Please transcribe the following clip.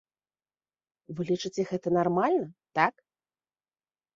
Вы лічыце гэта нармальна, так?